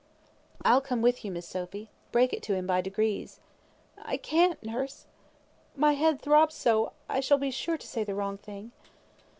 "I'll come with you, Miss Sophy. Break it to him by degrees." "I can't, nurse. My head throbs so, I shall be sure to say the wrong thing."